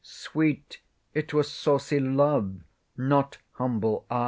Sweet, it was saucy LOVE, not humble I.